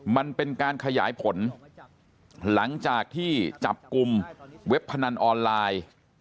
มันเป็นการขยายผลหลังจากที่จับกลุ่มเว็บพนันออนไลน์